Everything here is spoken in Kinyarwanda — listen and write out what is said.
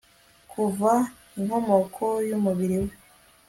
Kuva inkomoko yumubiri we